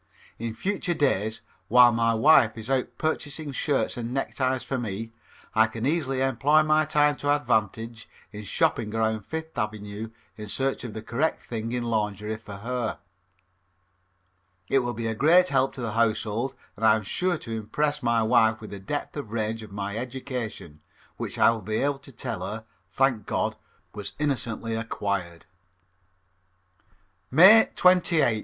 In future days, while my wife is out purchasing shirts and neckties for me, I can easily employ my time to advantage in shopping around Fifth Avenue in search of the correct thing in lingerie for her. It will be a great help to the household and I am sure impress my wife with the depth and range of my education, which I will be able to tell her, thank God, was innocently acquired. _May 28th.